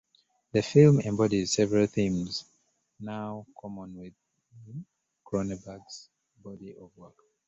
The film embodies several themes now common within Cronenberg's body of work.